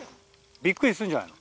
びっくりすんじゃない。